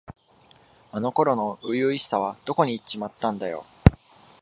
あの頃の初々しさはどこにいっちまったんだよ。